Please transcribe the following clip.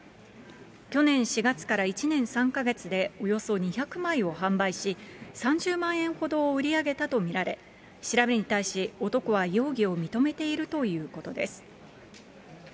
去年４月から１年３か月で、およそ２００枚を販売し、３０万円ほどを売り上げたと見られ、調べに対し、男は容疑を認めているということです。